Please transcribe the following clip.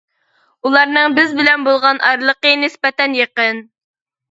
ئۇلارنىڭ بىز بىلەن بولغان ئارىلىقى نىسبەتەن يېقىن.